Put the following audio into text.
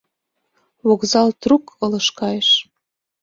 Вокзал трук ылыж кайыш.